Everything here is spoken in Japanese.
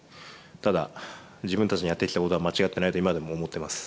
ただ、自分たちのやってきたことは間違ってないと、今でも思ってます。